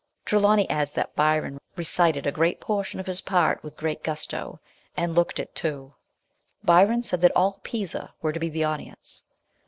Trelawny adds that Byron recited a great portion of his part with great gusto, and looked it too. Byron said that all Pisa were to be the audience.